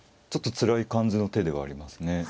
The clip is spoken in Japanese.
ちょっと辛い感じの手ではありますね。